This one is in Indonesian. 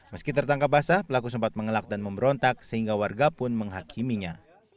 meski tertangkap basah pelaku sempat mengelak dan memberontak sehingga warga pun menghakiminya